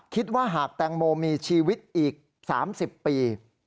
คิดว่าหากแตงโมมีชีวิตอีก๓๐ปี